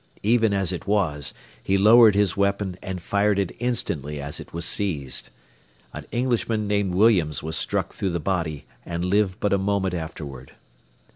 Even as it was, he lowered his weapon and fired it instantly as it was seized. An Englishman named Williams was struck through the body and lived but a moment afterward.